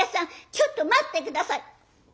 ちょっと待って下さい！」。